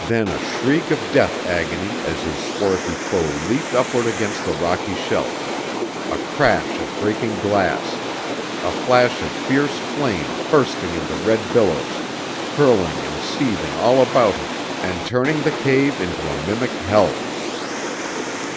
Then a shriek of death agony, as his swarthy foe leaped upward against the rocky shelf; a crash of breaking glass; a flash of fierce flame bursting into red billows, curling and seething all about him and turning the cave into a mimic hell!